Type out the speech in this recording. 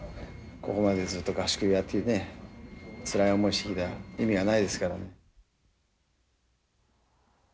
ここまでずっと合宿やってきてねつらい思いをしてきた意味がないですからね。